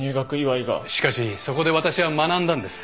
しかしそこで私は学んだんです。